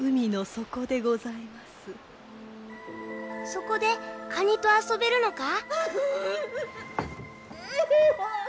そこでカニと遊べるのか？